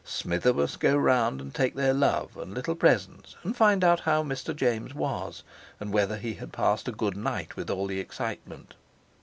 Smither must go round and take their love and little presents and find out how Mr. James was, and whether he had passed a good night with all the excitement.